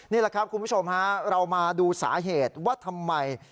นี่แหละครับคุณผู้ชมฮะเรามาดูสาเหตุว่าทำไม